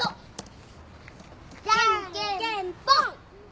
じゃんけんぽん。